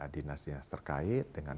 dinas dinas terkait dengan